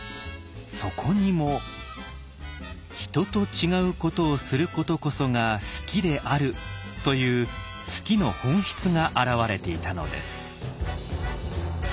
そこにも「人と違うことをすることこそが数寄である」という数寄の本質が表れていたのです。